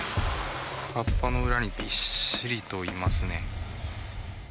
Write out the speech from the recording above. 葉っぱの裏にびっしりといますね。